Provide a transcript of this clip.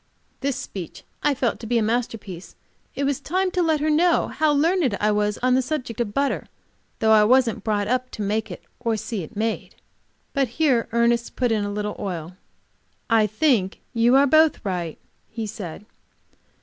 This speech I felt to be a masterpiece. It was time to let her know how learned I was on the subject of butter, though I wasn't brought up to make it or see it made. But here Ernest put in a little oil. "I think you are both right," he said.